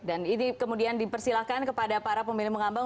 dan ini kemudian dipersilahkan kepada para pemilih mengambang